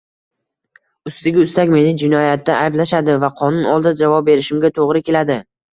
Ustiga ustak, meni jinoyatda ayblashadi va qonun oldida javob berishimga to`g`ri keladi